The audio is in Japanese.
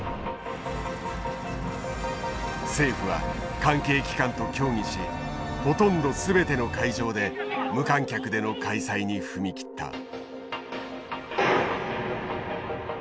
政府は関係機関と協議しほとんど全ての会場で無観客での開催に踏み切った。